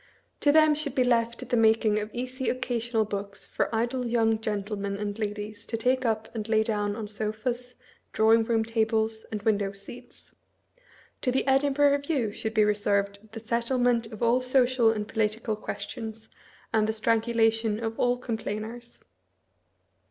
To them should be left the making of easy occasional books for idle young gentlemen and ladies to take up and lay down on sofas, drawing room tables, and window seats ; to the Edinburgh Review should be reserved the settlement of all social and. political questions and the strangulation of all complainers.